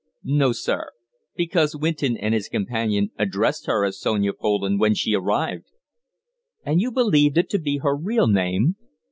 "No, sir. Because Winton and his companion addressed her as Sonia Poland when she arrived." "And you believed it to be her real name?"